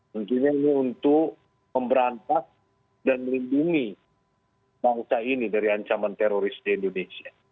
tentunya ini untuk memberantas dan melindungi bangsa ini dari ancaman teroris di indonesia